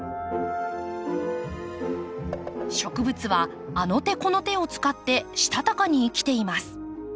植物はあの手この手を使ってしたたかに生きています。